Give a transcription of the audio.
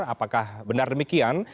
apakah benar demikian